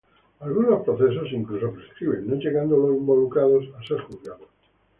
Algunos procesos incluso prescriben, no llegando los involucrados a ser juzgados.